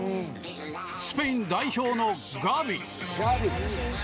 スペイン代表のガビ。